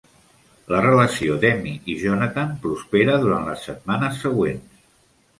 La relació d'Emmy i Jonathan prospera durant les setmanes següents.